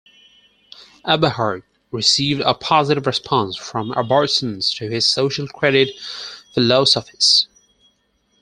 Aberhart received a positive response from Albertans to his social credit philosophies.